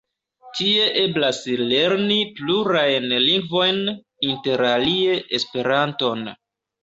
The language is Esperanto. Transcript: Tie eblas lerni plurajn lingvojn, interalie Esperanton.